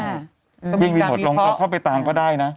เครื่องรีโมทลงก็เข้าไปตามก็ได้นะ